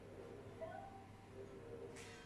白尾鼹属等之数种哺乳动物。